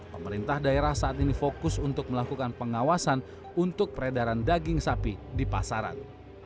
pemerintah daerah saat ini fokus untuk melakukan pengawasan untuk peredaran daging sapi di pasaran